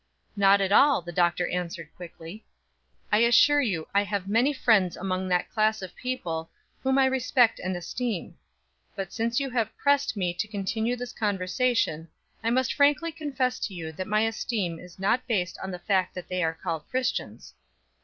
"Not at all," the Doctor answered quickly. "I assure you I have many friends among that class of people whom I respect and esteem; but since you have pressed me to continue this conversation I must frankly confess to you that my esteem is not based on the fact that they are called Christians.